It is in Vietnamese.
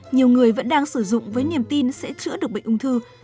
nhiều người vẫn đang sử dụng với niềm tin sẽ chữa được bệnh ung thư